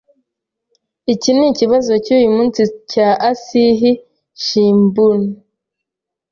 Iki nikibazo cyuyu munsi cya Asahi Shimbun?